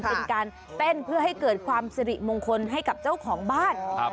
เป็นการเต้นเพื่อให้เกิดความสิริมงคลให้กับเจ้าของบ้าน